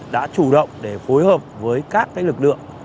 đã chủ động để phối hợp với các lực lượng